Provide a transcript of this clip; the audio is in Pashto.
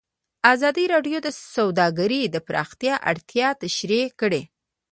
ازادي راډیو د سوداګري د پراختیا اړتیاوې تشریح کړي.